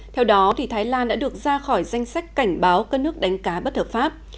theo đó thái lan đã được ra khỏi danh sách cảnh báo cân nước đánh cá bất thực pháp